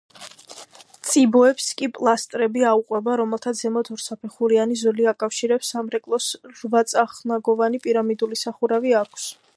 წიბოებს კი პილასტრები აუყვება რომელთაც ზემოთ ორსაფეხურიანი ზოლი აკავშირებს სამრეკლოს რვაწახნაგოვანი პირამიდული სახურავი აქვს.